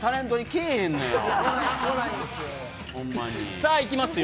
さあいきますよ。